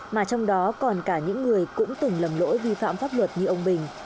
mà trong đó còn cả những người cũng từng lầm lỗi vi phạm pháp luật như ông bình